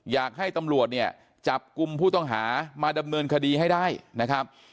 อยากให้ตำรวจเนี่ยจับกลุ่มผู้ต้องหามาดำเนินคดีให้ได้นะครับ